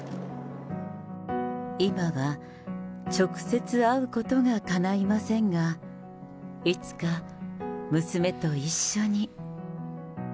今は直接会うことがかないませんが、いつか娘と一緒に。